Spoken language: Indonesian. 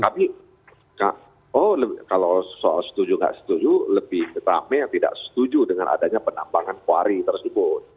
tapi oh kalau soal setuju nggak setuju lebih rame yang tidak setuju dengan adanya penambangan kuari tersebut